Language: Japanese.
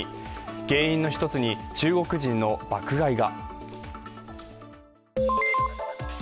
原因の１つに、中国人の爆買いが。